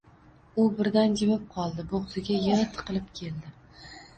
U birdan jimib qoldi — bo‘g‘ziga yig‘i tiqilib keldi.